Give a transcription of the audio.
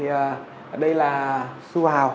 ở đây là su hào